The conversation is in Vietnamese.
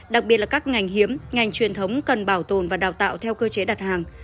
đặc biệt là các ngành hiếm ngành truyền thống cần bảo tồn và đào tạo theo cơ chế đặt hàng